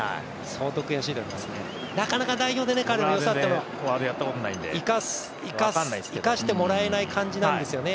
なかなか内容で彼の良さ、生かしてもらえない感じなんですよね。